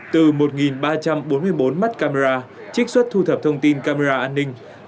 từ một ba trăm bốn mươi bốn mắt camera trích xuất thu thập thông tin camera an ninh